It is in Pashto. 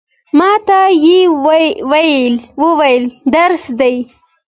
ما ته یې وویل، درس دی.